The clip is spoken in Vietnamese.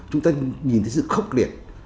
chúng ta nhìn thấy sự khốc liệt